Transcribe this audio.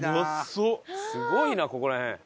すごいなここら辺。